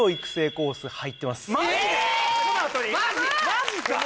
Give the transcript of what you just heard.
・マジか！